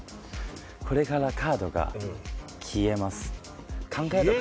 これからカードが消えます。